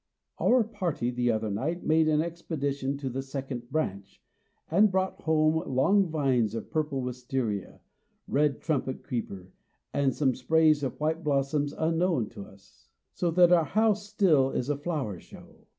Our party, the other night, made an expedition to the "second branch," and brought home long vines of purple wisteria, red trumpet creeper, and some sprays of white blossoms unknown to us: so that our house still is a flower show.